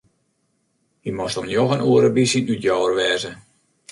Hy moast om njoggen oere by syn útjouwer wêze.